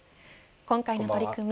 今回の取り組み